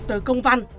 tới công văn